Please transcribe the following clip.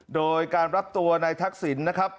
โดยการรับตัวในทักศิลป์นะครับ